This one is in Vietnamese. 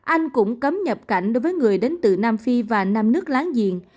anh cũng cấm nhập cảnh đối với người đến từ nam phi và năm nước láng giềng